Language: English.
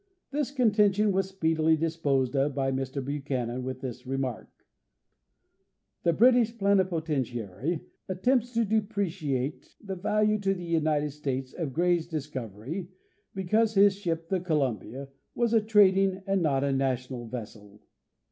This conten tion was speedily disposed of by Mr Buchanan with this remark: "The British plenipotentiary attempts to depreciate the value to the United States of Gray's discovery because his ship, the Columbia, was a Final Adjustment of the Boundary 263 trading and not a national vessel.